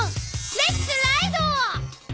レッツライド！